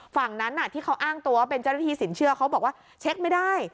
ฝั่งนั้นที่เขาอ้างตัวว่าเป็นเจ้าหน้าที่สินเชื่อเขาบอกว่าเช็คไม่ได้